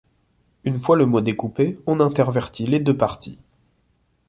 Une fois le mot découpé, on intervertit les deux parties.